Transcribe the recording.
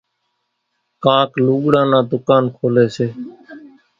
ڪانڪ لُوڳڙان نان ڌُڪانَ کوليَ سي۔